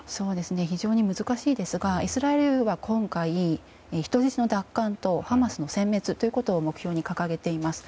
非常に難しいですがイスラエルは今回、人質の奪還とハマスの殲滅ということを目標に掲げています。